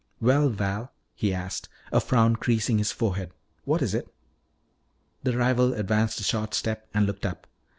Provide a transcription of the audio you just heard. "Well, Val," he asked, a frown creasing his forehead, "what is it?" The rival advanced a short step and looked up.